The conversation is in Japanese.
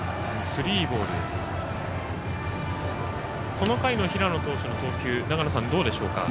この回の平野投手の投球長野さん、どうでしょうか？